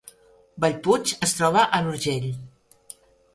Bellpuig es troba a l’Urgell